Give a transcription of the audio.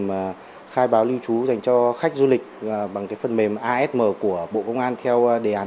cái phần mềm khai báo lưu trú dành cho khách du lịch bằng cái phần mềm asm của bộ công an theo đề án sáu